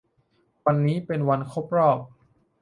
วันนี้เป็นวันครบรอบ